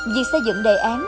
việc xây dựng đề án